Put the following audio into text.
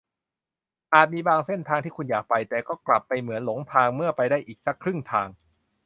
อาจมีบางเส้นทางที่คุณอยากไป แต่ก็กลับเหมือนหลงทางเมื่อไปได้สักครึ่งทาง